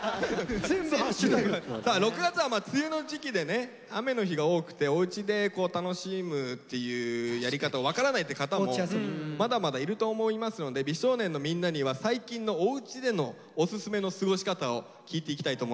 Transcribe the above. さあ６月は梅雨の時期でね雨の日が多くておうちで楽しむっていうやり方を分からないっていう方もまだまだいると思いますので美少年のみんなには最近のおうちでのオススメの過ごし方を聞いていきたいと思います。